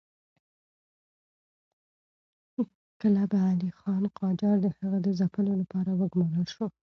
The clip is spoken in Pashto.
کلب علي خان قاجار د هغه د ځپلو لپاره وګمارل شو.